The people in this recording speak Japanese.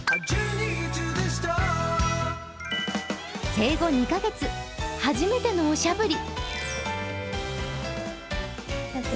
生後２カ月、初めてのおしゃぶり。